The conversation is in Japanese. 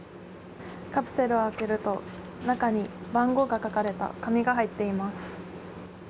カプセルを開けると中に番号が書かれた紙が入っています。